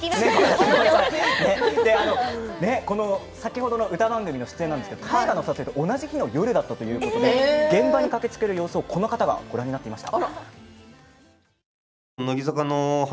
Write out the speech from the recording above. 先ほどの歌番組の出演なんですが大河の撮影と同じ日の夜だったということで現場に駆けつける様子をこの方がご覧になっていました。